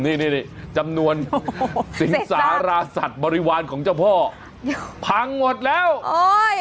นี่นี่จำนวนสิงสารสัตว์บริวารของเจ้าพ่อพังหมดแล้วโอ้ย